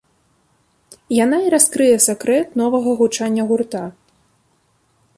Яна і раскрые сакрэт новага гучання гурта.